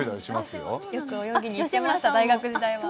よく泳ぎに行ってました大学時代も。